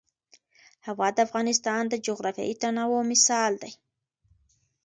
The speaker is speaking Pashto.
هوا د افغانستان د جغرافیوي تنوع مثال دی.